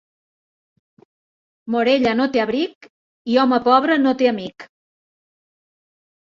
Morella no té abric i home pobre no té amic.